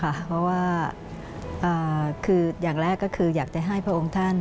เพราะว่าคืออย่างแรกก็คืออยากจะให้พระองค์ท่าน